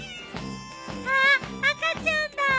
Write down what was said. あっ赤ちゃんだ！